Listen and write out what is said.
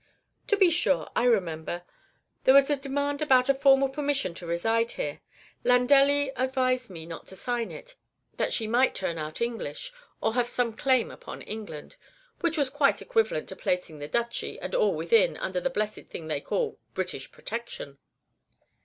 "To be sure; I remember. There was a demand about a formal permission to reside here. Landelli advised me not to sign it, that she might turn out English, or have some claim upon England, which was quite equivalent to placing the Duchy, and all within it, under that blessed thing they call British protection."